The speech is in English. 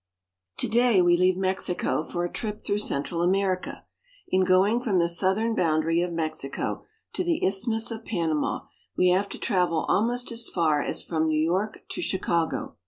TO DAY we leave Mexico for a trip through Central America. In going from the southern boundary of Mexico to the Isthmus of Panama, we have to travel al most as far as from New York to Chicago.